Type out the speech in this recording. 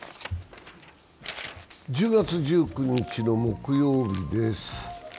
１０月１９日の木曜日です。